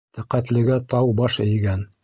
Тәҡәтлегә тау баш эйгән.